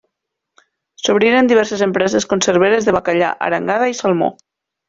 S'obriren diverses empreses conserveres de bacallà, arengada i salmó.